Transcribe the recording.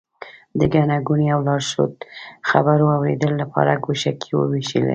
د ګڼې ګوڼې او لارښود خبرو اورېدو لپاره ګوشکۍ ووېشلې.